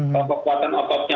kalau kekuatan ototnya